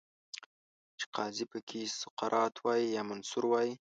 چې قاضي پکې سقراط وای، یا منصور وای